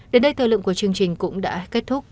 đến đây thời lượng của chương trình cũng đã kết thúc